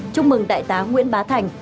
chúc mừng đại tá nguyễn bá thành